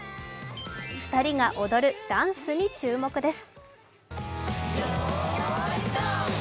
２人が踊るダンスに注目です。